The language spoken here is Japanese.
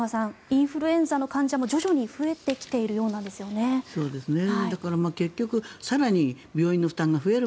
インフルエンザの患者も徐々に増えてきているようなんですよね。